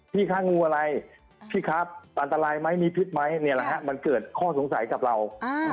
คะงูอะไรพี่ครับอันตรายไหมมีพิษไหมเนี่ยแหละฮะมันเกิดข้อสงสัยกับเรา